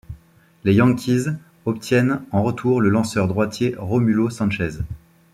Les Yankees obtiennent en retour le lanceur droitier Romulo Sanchez.